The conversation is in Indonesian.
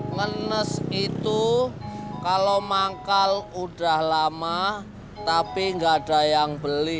ngenes itu kalau manggal udah lama tapi nggak ada yang beli